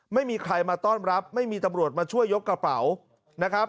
ไม่มีใครมาต้อนรับไม่มีตำรวจมาช่วยยกกระเป๋านะครับ